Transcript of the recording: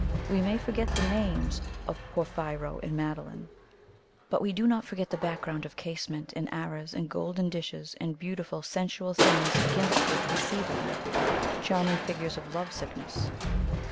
We may forget the names of Porphyro and Madeline, but we do not forget the background of casement and arras and golden dishes and beautiful sensual things against which we see them, charming figures of love sickness.